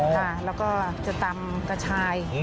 ค่ะแล้วก็จะตำกระชาย